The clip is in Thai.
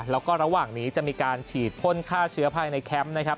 แล้วก็ระหว่างนี้จะมีการฉีดพ่นฆ่าเชื้อภายในแคมป์นะครับ